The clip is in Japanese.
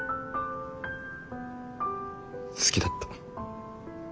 好きだった。